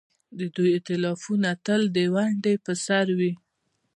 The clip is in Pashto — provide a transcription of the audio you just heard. د دوی ائتلافونه تل د ونډې پر سر وي.